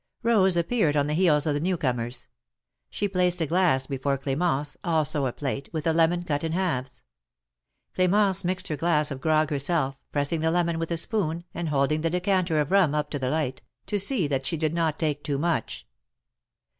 Rose appeared on the heels of the new comers. She placed a glass before Clemence, also a plate, with a lemon cut in halves. Cl4mence mixed her glass of grog herself, pressing the lemon with a spoon, and holding the decan ter of rum up to the light, to see that she did not take too much.